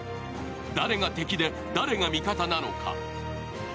誰が敵で誰が味方なのか。